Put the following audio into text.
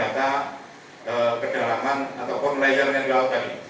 jadi ini adalah keterangan ataupun layer yang ada tadi